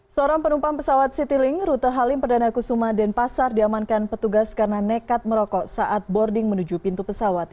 seorang penumpang pesawat citylink rute halim perdana kusuma denpasar diamankan petugas karena nekat merokok saat boarding menuju pintu pesawat